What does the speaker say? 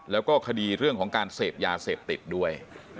แล้วก็คดีเรื่องของการเสพยาเสพติดด้วย